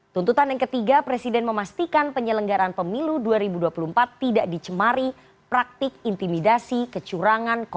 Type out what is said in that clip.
tuntutan yang ketiga presiden memastikan penyelenggaran pemilu dua ribu dua puluh empat tidak dicemari praktik intimidasi kecurangan